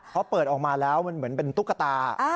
พอเปิดออกมาแล้วมันเหมือนเป็นตุ๊กตา